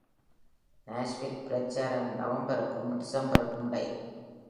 Nashville பிரச்சாரம் நவம்பருக்கும் டிசம்பருக்கும் இடையில்.